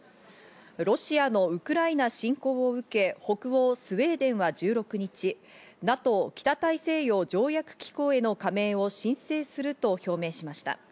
ロシアのウクライナ侵攻を受け、北欧スウェーデンは１６日、ＮＡＴＯ＝北大西洋条約機構への加盟を申請すると表明しました。